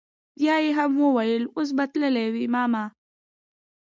بيا يې هم وويل اوس به تلي وي ماما.